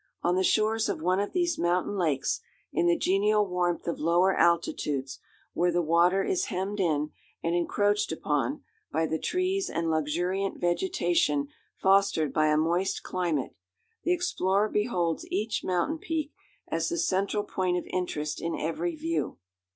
On the shores of one of these mountain lakes, in the genial warmth of lower altitudes, where the water is hemmed in, and encroached upon, by the trees and luxuriant vegetation fostered by a moist climate, the explorer beholds each mountain peak as the central point of interest in every view.